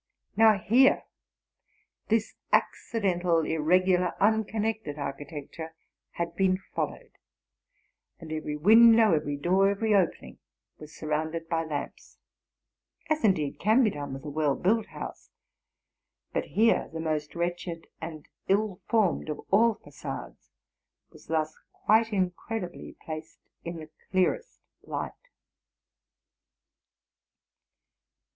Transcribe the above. Now, here this accidental, irregular, unconnected architect ure had been followed; and every window, every door, every opening, was surrounded by lamps, — as indeed can be dona with a well built house; but here the most wretched and ill formed of all facades was thus quite incredibly placed in the clearest light.